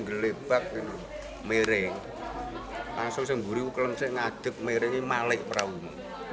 perkiraan yang sempat tidak menghitung